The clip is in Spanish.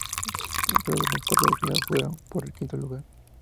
Los perdedores en los cuartos de final juegan por el quinto lugar.